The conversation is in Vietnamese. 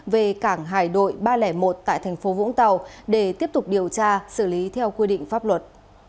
về cảng hải đội ba trăm linh một tại thành phố vũng tàu để tiếp tục điều tra xử lý theo quy định pháp luật